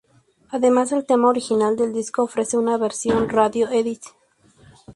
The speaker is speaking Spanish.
Además del tema original del disco, ofrece una versión radio-edit.